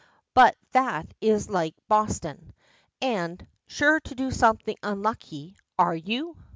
but that is like Boston. And 'sure to do something unlucky,' are you?